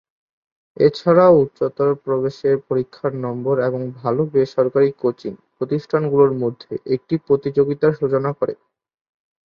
এছাড়াও, উচ্চতর প্রবেশের পরীক্ষার নম্বর এবং ভালো বেসরকারি কোচিং প্রতিষ্ঠানগুলোর মধ্যে একটি প্রতিযোগিতার সূচনা করে।